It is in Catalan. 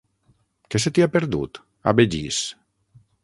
Què se t'hi ha perdut, a Begís?